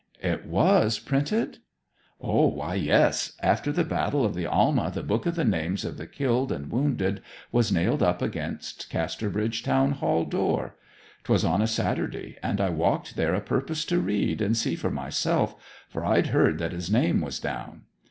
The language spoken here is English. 'It was printed?' 'Why, yes. After the Battle of the Alma the book of the names of the killed and wounded was nailed up against Casterbridge Town Hall door. 'Twas on a Saturday, and I walked there o' purpose to read and see for myself; for I'd heard that his name was down.